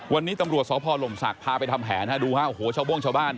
วันนี้ตำรวจสพลมศักดิ์พาไปทำแผนฮะดูฮะโอ้โหชาวโบ้งชาวบ้าน